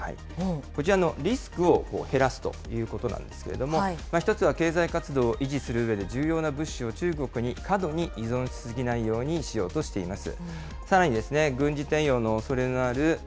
こちら、リスクを減らそうということなんですけれども、１つは経済活動を維持するうえで重要な物資を中国に過度に依存し過ぎないようにしようとしています。